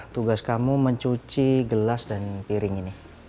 tugas kamu mencuci gelas dan piring ini